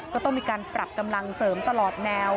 ก็ต้องมีการปรับกำลังเสริมตลอดแนว